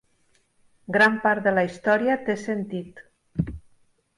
Gran part de la història té sentit.